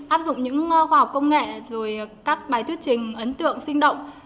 áp dụng những khoa học công nghệ các bài thuyết trình ấn tượng sinh động